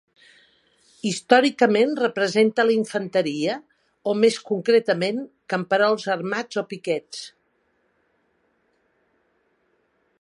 Històricament representa la infanteria, o més concretament, camperols armats o piquers.